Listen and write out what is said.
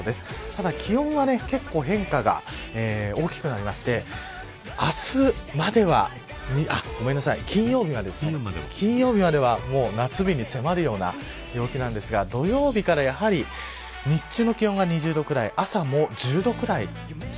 ただ気温は、変化が大きくなりまして明日までは金曜日までは夏日に迫るような陽気なんですが土曜日からやはり日中の気温が２０度くらい朝も１０度くらい。